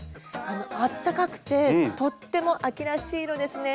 あったかくてとっても秋らしい色ですね。